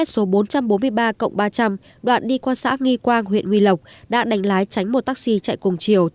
đoạn đi qua xã nghi quang huyện nghi lộc đã đánh lái tránh một taxi chạy cùng chiều